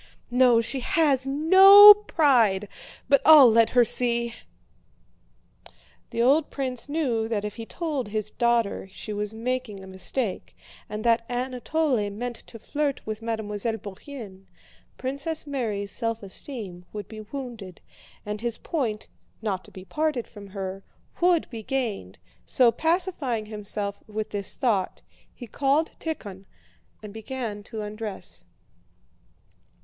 No, she has no pride... but I'll let her see...." The old prince knew that if he told his daughter she was making a mistake and that Anatole meant to flirt with Mademoiselle Bourienne, Princess Mary's self esteem would be wounded and his point (not to be parted from her) would be gained, so pacifying himself with this thought, he called Tíkhon and began to undress.